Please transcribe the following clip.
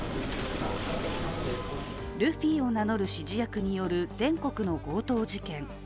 ルフィを名乗る指示役による全国の強盗事件。